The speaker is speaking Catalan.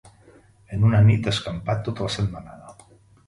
En una nit ha escampat tota la setmanada.